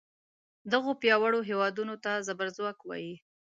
دغو پیاوړو هیوادونو ته زبر ځواک وایي.